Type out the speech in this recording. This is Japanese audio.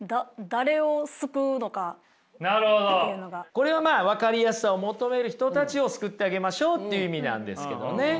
これはまあ分かりやすさを求める人たちを救ってあげましょうっていう意味なんですけどね。